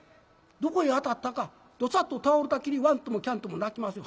どこへ当たったかドサッと倒れたきり「ワン」とも「キャン」とも鳴きません。